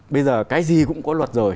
bây giờ cái gì cũng có luật rồi